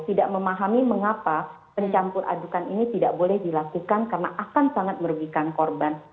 tidak memahami mengapa pencampur adukan ini tidak boleh dilakukan karena akan sangat merugikan korban